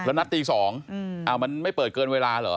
แล้วนัดตี๒มันไม่เปิดเกินเวลาเหรอ